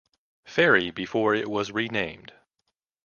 Ferry before it was renamed.